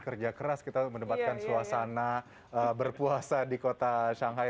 kerja keras kita mendebatkan suasana berpuasa di kota shanghai